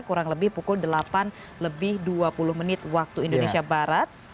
kurang lebih pukul delapan lebih dua puluh menit waktu indonesia barat